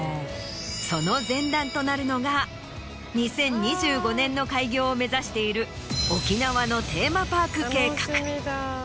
その前段となるのが２０２５年の開業を目指している沖縄のテーマパーク計画。